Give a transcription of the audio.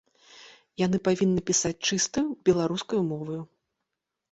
Яны павінны пісаць чыстаю беларускаю моваю.